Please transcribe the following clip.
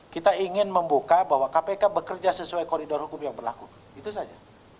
kita ingin membuka bahwa kpk bekerja sesuai koridor hukum yang berlaku itu saja